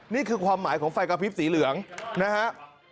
นี่คือความหมายของไฟกระพริบสีเหลืองนะฮะ